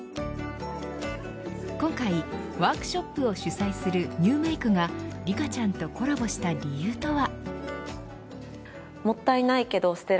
今回、ワークショップを主催するＮｅｗＭａｋｅがリカちゃんとコラボした理由とは。